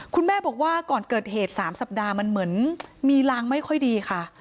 คุณแม่บอกว่าก่อนเกิดเหตุ๓สัปดาห์มันเหมือนมีรางไม่ค่อยดีค่ะ